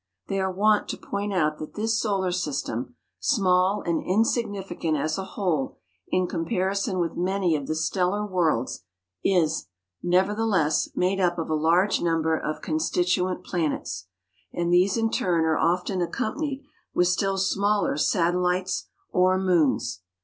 They are wont to point out that this solar system, small and insignificant as a whole in comparison with many of the stellar worlds, is, nevertheless, made up of a large number of constituent planets; and these in turn are often accompanied with still smaller satellites, or moons.